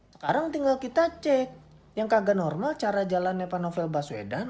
sekarang tinggal kita cek yang kagak normal cara jalannya pak novel baswedan